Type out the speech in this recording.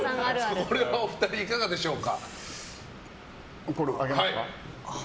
お二人、いかがでしょうか？